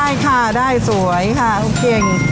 ได้ค่ะได้สวยค่ะเก่ง